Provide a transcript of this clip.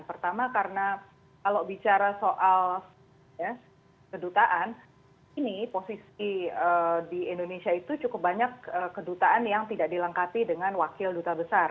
pertama karena kalau bicara soal kedutaan ini posisi di indonesia itu cukup banyak kedutaan yang tidak dilengkapi dengan wakil duta besar